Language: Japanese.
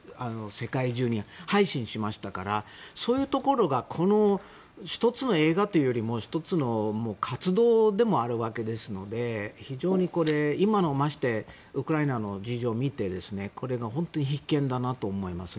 世界中に配信しましたからそういうところが１つの映画というよりも１つの活動でもあるわけですので非常にこれは、まして今のウクライナの事情を見るとこれが本当に必見だなと思います